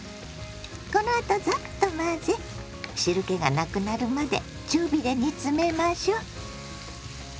このあとザッと混ぜ汁けがなくなるまで中火で煮詰めましょ。